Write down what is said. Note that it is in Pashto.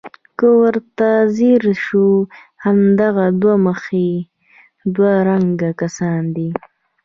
که ورته ځیر شو همدغه دوه مخي دوه رنګه کسان دي.